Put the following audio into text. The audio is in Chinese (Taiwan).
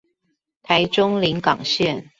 臺中臨港線